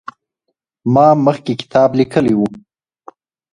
زه مخکي کتاب ليکلی و؟!